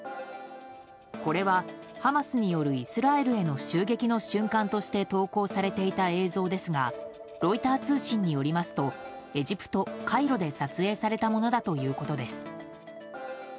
これはハマスによるイスラエルへの襲撃の瞬間として投稿されていた映像ですがロイター通信によりますとエジプト・カイロで撮影されたものだということです。